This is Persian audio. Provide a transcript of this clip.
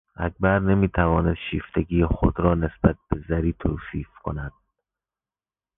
اکبر نمی توانست شیفتگی خود را نسبت به زری توصیف کند.